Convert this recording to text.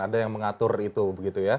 ada yang mengatur itu begitu ya